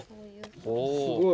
すごい。